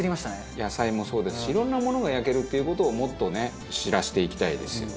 野菜もそうですしいろんなものが焼けるっていう事をもっとね知らせていきたいですよね。